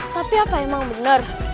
tapi apa emang bener